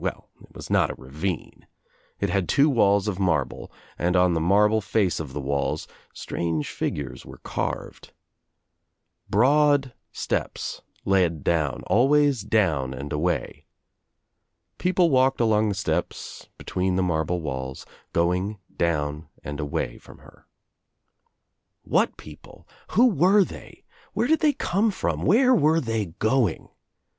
Well it was not a ravine. It had two walls of marble and on the marble face of the walls itrange figures were carved. Broad steps led down — always down and away. People walked along the steps, between the marble walls, going down and away from her. What people I Who were they? Where did they come from? Where were they going?